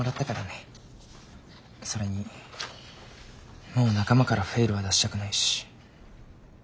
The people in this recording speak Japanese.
それにもう仲間からフェイルは出したくないし。